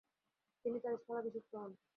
তিনি তার স্থলাভিশিক্ত হন।